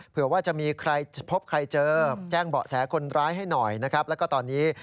เผื่อว่าจะมีใครพบใครเจอแจ้งเบาะแสคนร้ายให้หน่อยนะครับแล้วก็ตอนนี้